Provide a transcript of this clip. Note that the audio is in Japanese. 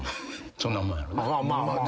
そんなもんやろうな。